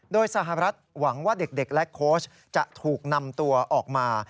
โดยสหรัฐหวังว่าเด็กและโค้ชจะถูกนำตัวออกมา